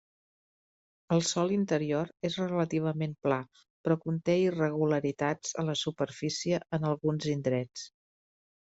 El sòl interior és relativament pla, però conté irregularitats a la superfície en alguns indrets.